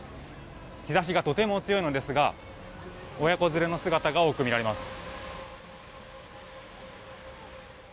日差しがとても強いのですが親子連れの姿が多く見られます。